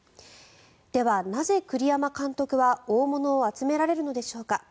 では、なぜ栗山監督は大物を集められるのでしょうか。